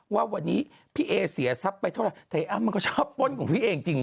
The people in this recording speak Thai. ว่าวันนี้พี่เอเสียทรัพย์ไปเท่านั้นมันก็ชอบป้นว่าพี่เอ